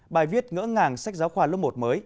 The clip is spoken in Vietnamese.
bài viết ngỡ ngàng sách giáo khoa lớp một mới